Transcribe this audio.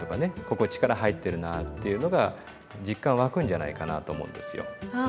ここ力入ってるなっていうのが実感湧くんじゃないかなと思うんですよ。